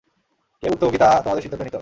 কে ভুক্তভোগী তা তোমাদের সিদ্ধান্ত নিতে হবে।